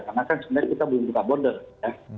karena kan sebenarnya kita belum buka border ya